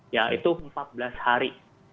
ya itu empat belas hari